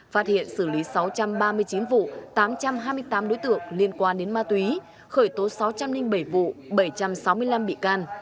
phát hiện xử lý sáu trăm ba mươi chín vụ tám trăm hai mươi tám đối tượng liên quan đến ma túy khởi tố sáu trăm linh bảy vụ bảy trăm sáu mươi năm bị can